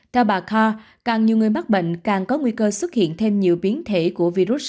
theo bà carr càng nhiều người mắc bệnh càng có nguy cơ xuất hiện thêm nhiều biến thể của virus sars cov hai